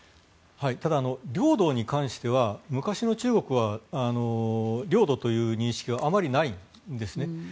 ただ、領土に関しては昔の中国は領土という認識はあまりないんですね。